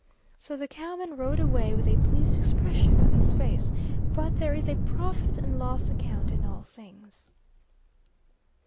So the cowman rode away with a pleased expression on his face, but there is a profit and loss account in all things.